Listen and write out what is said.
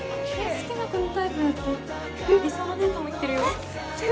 ・・好きな子のタイプだって理想のデートも言ってるよ